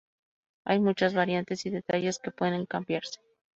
Hay muchas variantes y detalles que pueden cambiarse.